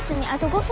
５分。